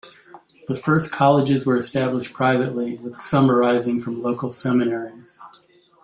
The first colleges were established privately, with some arising from local seminaries.